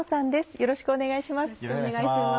よろしくお願いします。